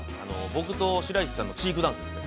◆僕と白石さんのチークダンスですね。